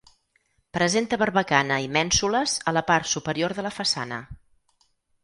Presenta barbacana i mènsules a la part superior de la façana.